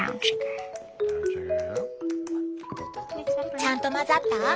ちゃんと混ざった？